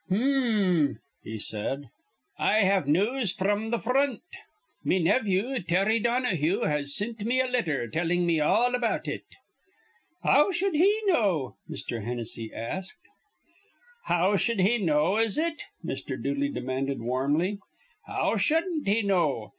"Hm m!" he said: "I have news fr'm th' fr ront. Me nevvew, Terry Donahue, has sint me a letther tellin' me all about it." "How shud he know?" Mr. Hennessy asked. "How shud he know, is it?" Mr. Dooley demanded warmly. "How shudden't he know?